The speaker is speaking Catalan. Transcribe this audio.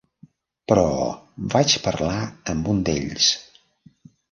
Però vaig parlar amb un d'ells.